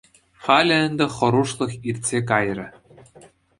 Халӗ ӗнтӗ хӑрушлӑх иртсе кайрӗ.